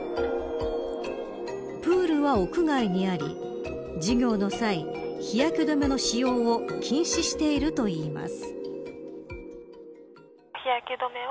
プールは屋外にあり授業の際日焼け止めの使用を禁止しているといいます。